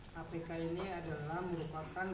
kpk ini adalah merupakan